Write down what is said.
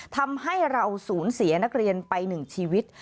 ทำให้เราสูญเสียนักเรียนไปหนึ่งชีวิต